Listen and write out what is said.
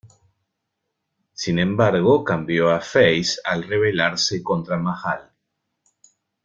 Sin embargo, cambió a "face" al revelarse contra Mahal.